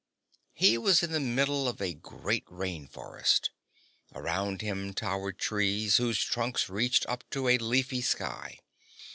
He was in the middle of a great rain forest. Around him towered trees whose great trunks reached up to a leafy sky.